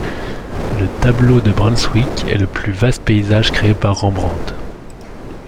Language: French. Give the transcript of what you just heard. Le tableau de Brunswick est le plus vaste paysage créé par Rembrandt.